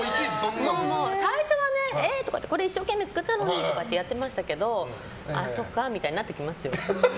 最初はこれ一生懸命作ったのに！とかやってましたけどあ、そっかみたいになってきますよ。